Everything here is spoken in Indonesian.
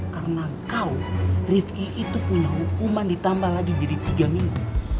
karena kau rifki itu punya hukuman ditambah lagi jadi tiga minggu